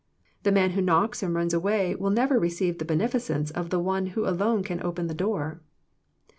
The man who knocks and runs away will never receive the beneficence of the One who alone can open the door.